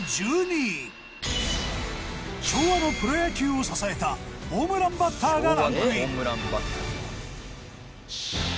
昭和のプロ野球を支えたホームランバッターがランクイン。